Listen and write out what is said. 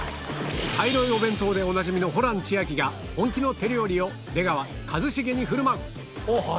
茶色いお弁当でおなじみのホラン千秋が本気の手料理を出川一茂に振る舞う！